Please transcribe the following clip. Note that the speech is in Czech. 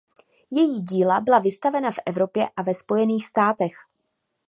Její díla byla vystavena v Evropě a ve Spojených státech.